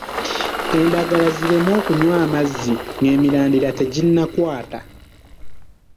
Endagala zireme kunywa mazzi ng’emirandira teginnakwata.